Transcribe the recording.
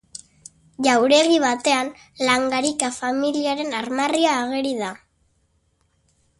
Jauregi batean Langarika familiaren armarria ageri da.